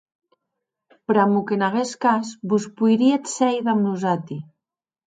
Pr'amor qu'en aguest cas vos poiríetz sèir damb nosati.